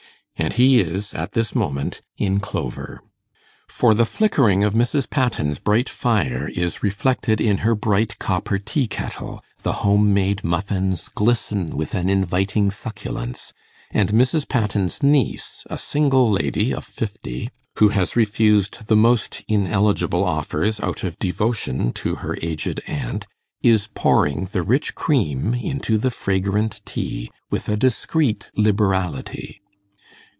And he is at this moment in clover. For the flickering of Mrs. Patten's bright fire is reflected in her bright copper tea kettle, the home made muffins glisten with an inviting succulence, and Mrs. Patten's niece, a single lady of fifty, who has refused the most ineligible offers out of devotion to her aged aunt, is pouring the rich cream into the fragrant tea with a discreet liberality.